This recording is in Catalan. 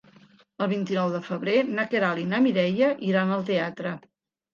El vint-i-nou de febrer na Queralt i na Mireia iran al teatre.